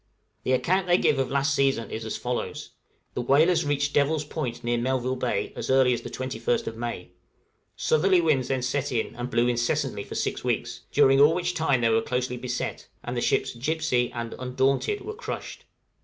The account they give of last season is as follows: the whalers reached Devil's Point, near Melville Bay, as early as the 21st of May; southerly winds then set in, and blew incessantly for six weeks, during all which time they were closely beset, and the ships 'Gipsy' and 'Undaunted' were crushed.